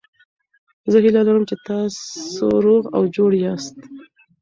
زه هیله لرم چې تاسو روغ او جوړ یاست.